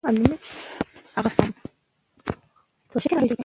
هغه د کائناتي ژبې استازی دی.